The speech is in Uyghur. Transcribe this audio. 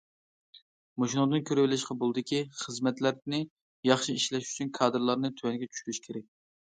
مۇشۇنىڭدىن كۆرۈۋېلىشقا بولىدۇكى، خىزمەتلەرنى ياخشى ئىشلەش ئۈچۈن كادىرلارنى تۆۋەنگە چۈشۈرۈش كېرەك.